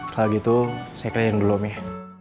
kalau gitu sekalian dulu om ya